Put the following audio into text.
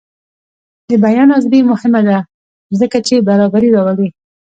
د بیان ازادي مهمه ده ځکه چې برابري راولي.